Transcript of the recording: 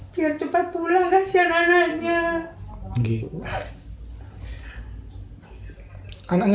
biar cepat pulang hasil anak anaknya